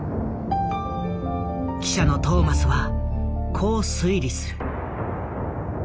記者のトーマスはこう推理する。